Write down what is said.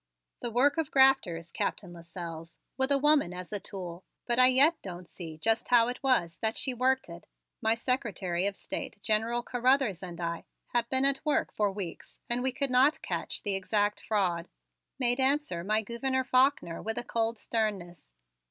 "The work of grafters, Captain Lasselles, with a woman as a tool. But I yet don't see just how it was that she worked it. My Secretary of State, General Carruthers, and I have been at work for weeks and we could not catch the exact fraud," made answer my Gouverneur Faulkner with a cold sternness.